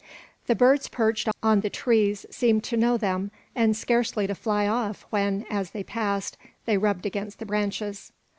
The birds perched on the trees seemed to know them, and scarcely to fly off when, as they passed, they rubbed against the branches.